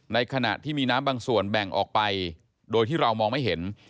ขณะที่มีน้ำบางส่วนแบ่งออกไปโดยที่เรามองไม่เห็น